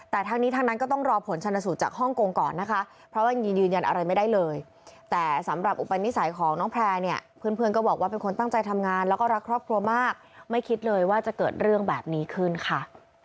แต่ทั้งนี้ทั้งนั้นก็ต้องรอผลชนสูตรจากฮ่องกงก่อนนะคะเพราะว่ายังยืนยันอะไรไม่ได้เลยแต่สำหรับอุปนิสัยของน้องแพร่เนี่ยเพื่อนก็บอกว่าเป็นคนตั้งใจทำงานแล้วก็รักครอบครัวมากไม่คิดเลยว่าจะเกิดเรื่องแบบนี้ขึ้นค่ะ